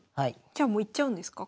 じゃあもういっちゃうんですか？